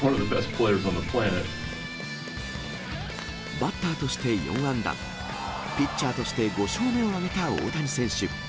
バッターとして４安打、ピッチャーとして５勝目を挙げた大谷選手。